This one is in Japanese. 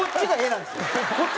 なんですよ。